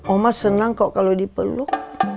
oma senang kok kalau dipeluk